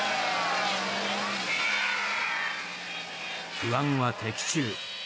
不安は的中。